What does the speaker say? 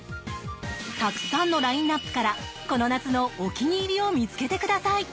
たくさんのラインアップからこの夏のお気に入りを見つけてください！